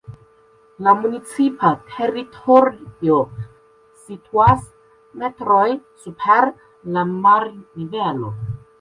La municipa teritorio situas metrojn super la marnivelo.